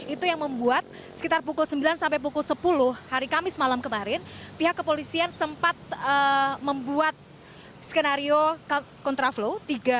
itu yang membuat sekitar pukul sembilan sampai pukul sepuluh hari kamis malam kemarin pihak kepolisian sempat membuat skenario kontraflow